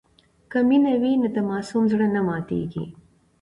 که مینه وي نو د ماسوم زړه نه ماتېږي.